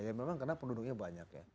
ya memang karena penduduknya banyak ya